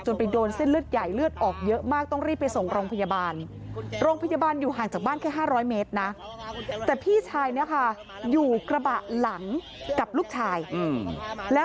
จนไปโดนเส้นเลือดใหญ่เลือดออกเยอะมากต้องรีบไปส่งโรงพยาบาล